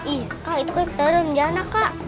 ih kak itu kan saya dalam jalan kak